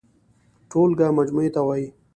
ټولګه مجموعې ته وايي.